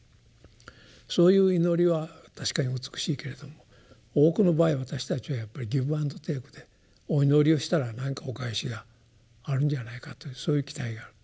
そういう祈りは確かに美しいけれども多くの場合私たちはやっぱりギブアンドテイクでお祈りをしたら何かお返しがあるんじゃないかというそういう期待がある。